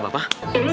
nggak usah nanya